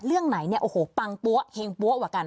เรื่องไหนเนี่ยโอ้โหปังปั้วเฮงปั๊วกว่ากัน